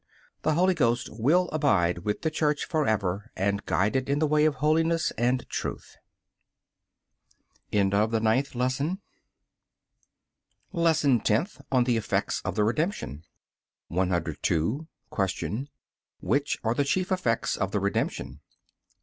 The Holy Ghost will abide with the Church forever, and guide it in the way of holiness and truth. LESSON TENTH ON THE EFFECTS OF THE REDEMPTION 102. Q. Which are the chief effects of the Redemption?